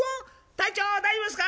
「隊長大丈夫ですか？」。